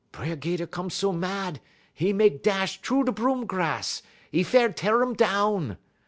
"B'er 'Gater come so mad, 'e mek dash troo da' broom grass; 'e fair teer um down.